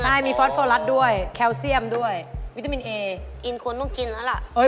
ใช่มีฟอสโฟรัสด้วยแคลเซียมด้วยวิตามินเออินควรต้องกินแล้วล่ะ